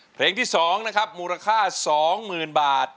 เพลงที่สองนะครับมูลค่าสองหมื่นบาท